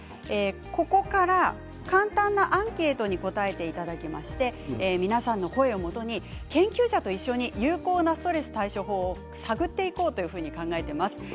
ここから簡単なアンケートにお答えいただきまして皆さんの声をもとに研究者と一緒に有効なストレス対処法を探っていこうと考えています。